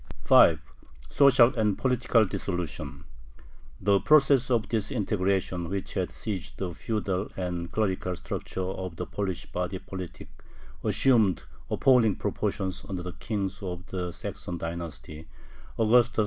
5. SOCIAL AND POLITICAL DISSOLUTION The process of disintegration which had seized the feudal and clerical structure of the Polish body politic assumed appalling proportions under the kings of the Saxon dynasty, Augustus II.